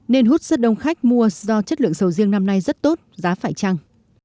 nên hút rất đông khách mua do chất lượng sầu riêng năm nay rất tốt giá phải trăng